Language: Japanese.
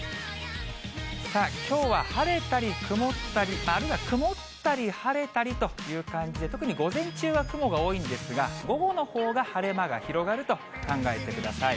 さあ、きょうは晴れたり曇ったり、あるいは曇ったり晴れたりという感じで、特に午前中は雲が多いんですが、午後のほうが晴れ間が広がると考えてください。